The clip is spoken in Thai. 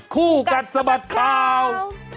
คู่กันสมัครข่าว